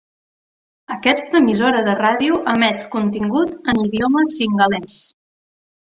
Aquesta emissora de ràdio emet contingut en idioma singalès.